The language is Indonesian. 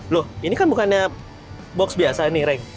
loh ini kan bukannya box biasa nih rank